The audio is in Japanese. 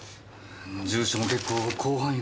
住所も結構広範囲だな。